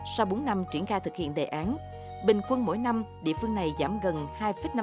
sau bốn năm triển khai thực hiện đề án bình quân mỗi năm địa phương này giảm gần hai năm số hộ nghèo dân tộc thiểu số